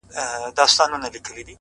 باندي شعرونه ليكم _